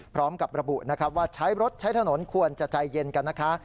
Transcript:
พร้อมกับระบุนะครับว่าใช้รถใช้ถนนควรจะใจเย็นกันนะคะ